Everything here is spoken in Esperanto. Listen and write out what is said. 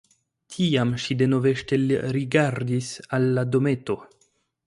Tiam ŝi denove ŝtelrigardis al la dometo.